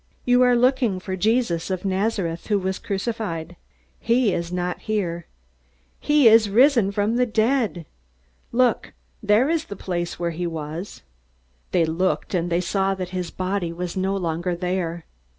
You are looking for Jesus of Nazareth, who was crucified. He is not here. He is risen from the dead. Look! There is the place where he was!" They looked, and they saw that his body was no longer there.